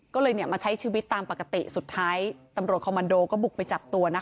ก็เลยมาใช้ชีวิตตามปกติสุดท้ายตำรวจคอมมันโดก็บุกไปจับตัวนะคะ